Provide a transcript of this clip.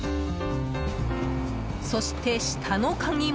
そして、下の鍵も。